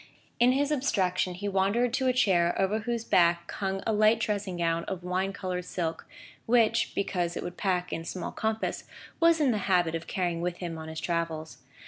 In his abstraction he wandered to a chair over whose back hung a light dressing gown of wine coloured silk, which, because it would pack in small compass, was in the habit of carrying with him on his travels.